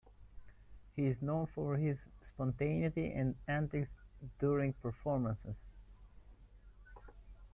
He is known for his spontaneity and antics during performances.